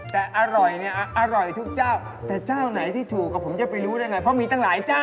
แต่อร่อยเนี่ยอร่อยทุกเจ้าแต่เจ้าไหนที่ถูกผมจะไปรู้ได้ไงเพราะมีตั้งหลายเจ้า